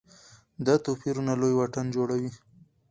دا توپیر لوی واټن جوړوي.